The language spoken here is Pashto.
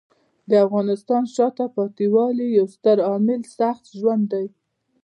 د افغانستان د شاته پاتې والي یو ستر عامل سخت ژوند دی.